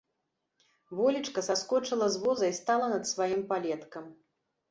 Волечка саскочыла з воза і стала над сваім палеткам.